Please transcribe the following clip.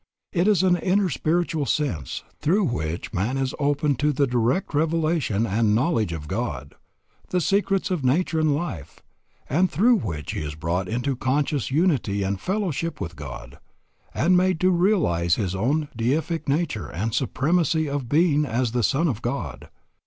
It is an inner spiritual sense through which man is opened to the direct revelation and knowledge of God, the secrets of nature and life, and through which he is brought into conscious unity and fellowship with God, and made to realize his own deific nature and supremacy of being as the son of God.